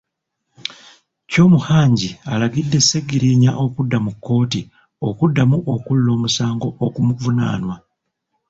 Kyomuhangi alagidde Sseggirinya okudda mu kkooti okuddamu okuwulira omusango ogumuvunaanwa.